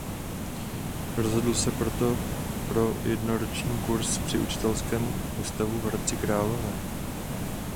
Rozhodl se proto pro jednoroční kurz při učitelském ústavu v Hradci Králové.